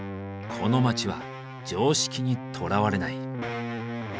この街は常識にとらわれない。